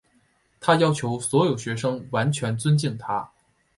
她要求所有学生完全尊敬她。